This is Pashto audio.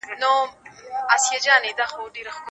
زه اوس د فشار اغېزې څېړم.